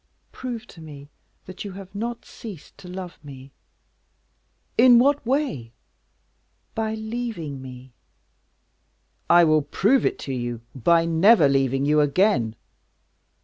"Prove to me that you have not ceased to love me." "In what way?" "By leaving me." "I will prove it to you by never leaving you again."